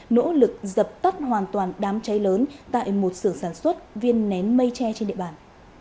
nỗ lực dập tắt hoàn toàn đám cháy lớn tại một sưởng sản xuất viên nén mây tre trên địa bàn